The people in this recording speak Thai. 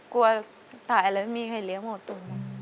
กลัวตายแล้วไม่มีใครเลี้ยงหมูตุ๋น